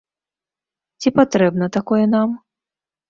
Ці патрэбна такое нам?